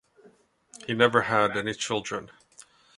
He never had any children.